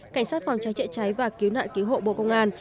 cảnh sát phòng cháy chữa cháy và cứu nạn cứu hộ bộ công an